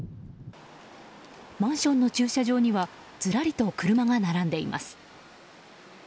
マンションの駐車場にはずらりと車が並んでいます。